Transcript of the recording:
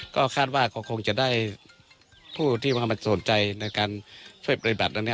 ก็คาดว่าคงจะได้ผู้ที่มาสนใจในการช่วยปฏิบัตินั้น